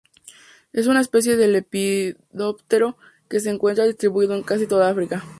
Es una especie de lepidóptero, que se encuentra distribuido en casi toda África.